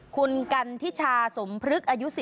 คุณกัณฐิชาสมพรึกอายุ๔๗ปี